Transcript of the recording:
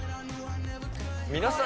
皆さん